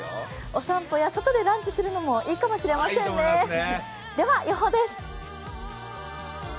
お散歩や外でランチするのもいいかもしれませんね。